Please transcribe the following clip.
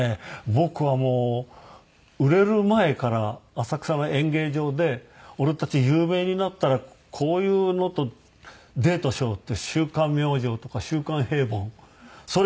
僕はもう売れる前から浅草の演芸場で「俺たち有名になったらこういうのとデートしよう」って『週刊明星』とか『週刊平凡』それのグラビアを見ていたの。